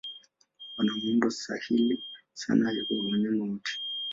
Wana muundo sahili sana wa wanyama wote.